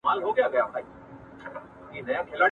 له زانګو د الا هو یې لږ را ویښ لږ یې هوښیار کې ..